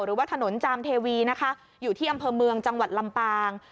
หรือว่าถนนจามเทวีนะคะอยู่ที่อำเภอเมืองจังหวัดลำปาง